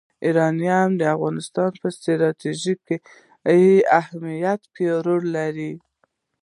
یورانیم د افغانستان په ستراتیژیک اهمیت کې رول لري.